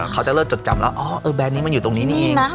เขาจะเริ่มจดจำแล้วอ๋อแบรนดนี้มันอยู่ตรงนี้นี่เอง